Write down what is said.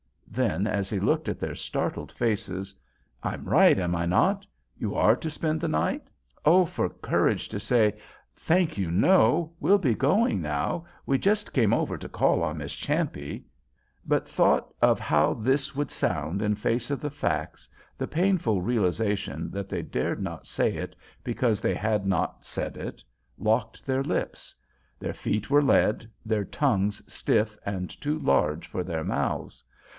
Then, as he looked at their startled faces: "I'm right, am I not? You are to spent the night?" Oh, for courage to say: "Thank you, no. We'll be going now. We just came over to call on Miss Champe." But thought of how this would sound in face of the facts, the painful realization that they dared not say it because they had not said it, locked their lips. Their feet were lead; their tongues stiff and too large for their mouths.